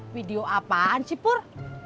video apaan sih pur